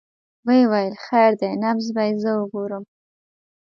ويې ويل خير دى نبض به يې زه وګورم.